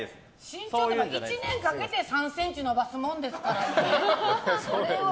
身長とか１年かけて３ｃｍ伸ばすもんですからね。